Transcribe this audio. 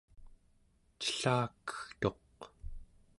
cellakegtuq